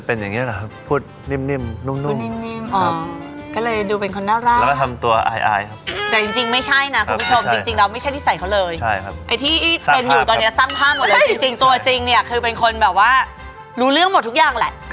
เพราะอะไรเพราะเพื่อนไม่เข้าใจ